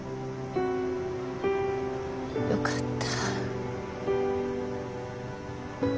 よかった。